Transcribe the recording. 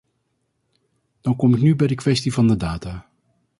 Dan kom ik nu bij de kwestie van de data.